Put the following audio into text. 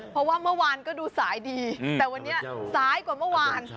เพราะว่าเมื่อวานก็ดูสายดีแต่วันนี้ซ้ายกว่าเมื่อวาน